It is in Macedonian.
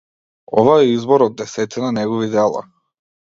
Ова е избор од десетина негови дела.